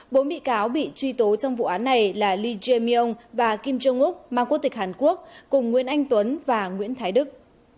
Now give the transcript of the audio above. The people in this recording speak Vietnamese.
bốn bị cáo bị truy tố trong vụ án này là lee je myong và kim jong uk mang quốc tịch hàn quốc cùng nguyễn anh tuấn và nguyễn thái đức